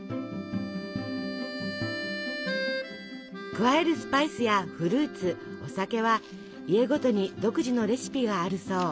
加えるスパイスやフルーツお酒は家ごとに独自のレシピがあるそう。